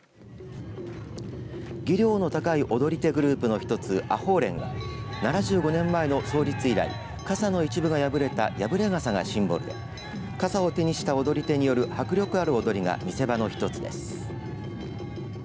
技量の高い踊り手グループの一つ阿呆連は７５年前の創立以来、傘の一部が破れた破れ傘がシンボルで傘を手にした踊り手による迫力ある踊りが見せ場の一つです。